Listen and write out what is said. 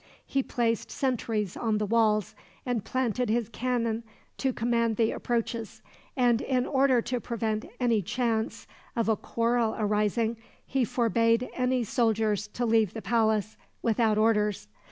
He placed sentries on the walls, and planted his cannon to command the approaches; and in order to prevent any chance of a quarrel arising, he forbade any soldiers to leave the palace, without orders.